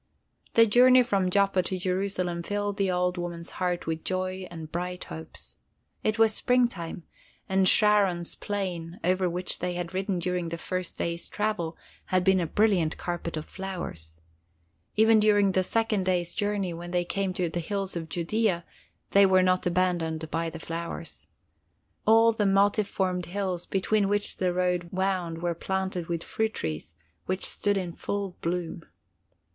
The journey from Joppa to Jerusalem filled the old woman's heart with joy and bright hopes. It was springtime, and Sharon's plain, over which they had ridden during the first day's travel, had been a brilliant carpet of flowers. Even during the second day's journey, when they came to the hills of Judea, they were not abandoned by the flowers. All the multiformed hills between which the road wound were planted with fruit trees, which stood in full bloom.